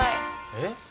えっ？